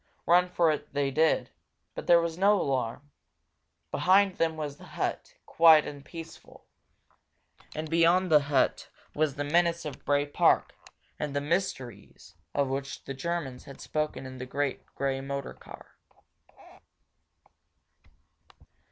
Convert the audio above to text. Run for it they did, but there was no alarm. Behind them was the hut, quiet and peaceful. And beyond the hut was the menace of Bray Park and the mysteries of which the Germans had spoken in the great grey motor car.